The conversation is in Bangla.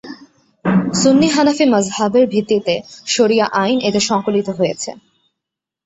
সুন্নি হানাফি মাজহাবের ভিত্তিতে শরিয়া আইন এতে সংকলিত হয়েছে।